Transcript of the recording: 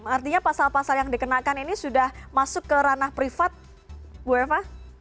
artinya pasal pasal yang dikenakan ini sudah masuk ke ranah privat bu eva